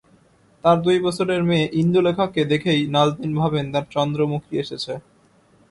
তাঁর দুই বছরের মেয়ে ইন্দুলেখাকে দেখেই নাজনীন ভাবেন তাঁর চন্দ্রমুখী এসেছে।